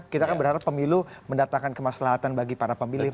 kita kan berharap pemilu mendatangkan kemaslahatan bagi para pemilih